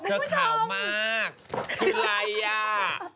ปล่อยให้เบลล่าว่าง